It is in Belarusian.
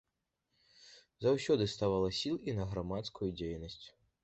Заўсёды ставала сіл і на грамадскую дзейнасць.